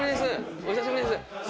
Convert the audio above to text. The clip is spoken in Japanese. お久しぶりです。